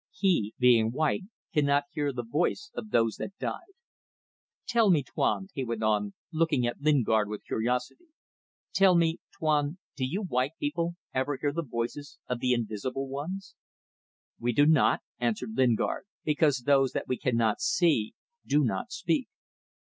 He, being white, cannot hear the voice of those that died. ... Tell me, Tuan," he went on, looking at Lingard with curiosity "tell me, Tuan, do you white people ever hear the voices of the invisible ones?" "We do not," answered Lingard, "because those that we cannot see do not speak."